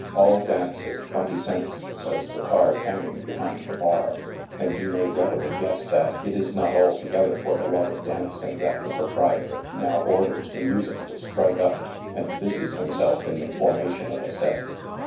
" All dances 20 cents," says the card hanging be hind the bar, and you may readily guess that it is not altogether for the love of dancing that the proprietor now orders the music to strike up, and busies himself in the formation of a set.